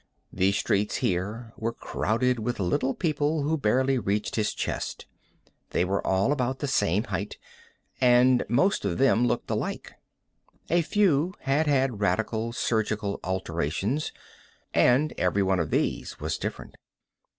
The streets here were crowded with little people who barely reached his chest; they were all about the same height, and most of them looked alike. A few had had radical surgical alterations, and every one of these was different.